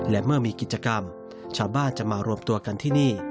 และเมื่อมีกิจกรรมชาวบ้านจะมารวมตัวกันที่นี่